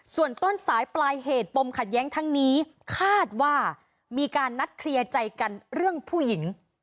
ส่วนต้นสายปลายเหตุปมขัดแย้งทั้งนี้คาดว่ามีการนัดเคลียร์ใจกันเรื่องผู้หญิง